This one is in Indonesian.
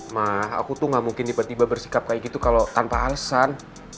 mah aku tuh gak mungkin tiba tiba bersikap kayak gitu kalau tanpa alasan